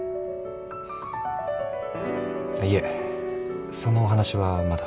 いえそのお話はまだ。